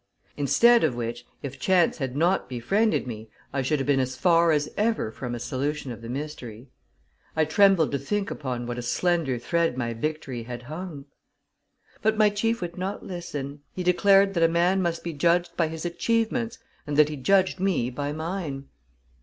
Instead of which, if chance had not befriended me, I should have been as far as ever from a solution of the mystery. I trembled to think upon what a slender thread my victory had hung. But my chief would not listen; he declared that a man must be judged by his achievements, and that he judged me by mine.